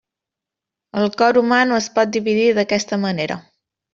El cor humà no es pot dividir d'aquesta manera.